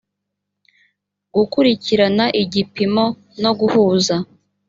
gukurikirana ibipimo no guhuza